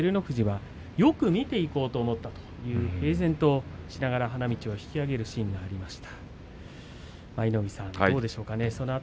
それに対して照ノ富士はよく見ていこうと思ったという平然にしながら花道を引き揚げるシーンがありました。